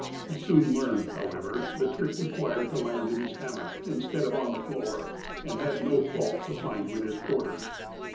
He soon learned, however, the trick required to land in his hammock, instead of on the floor, and had no fault to find with his quarters.